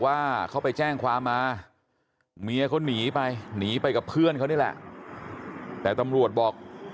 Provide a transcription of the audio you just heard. ว่าเขาไปแจ้งความมาเมียเขาหนีไปหนีไปกับเพื่อนเขานี่แหละแต่ตำรวจบอก